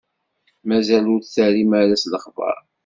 Mazal ur d-terrim ara s lexbaṛ?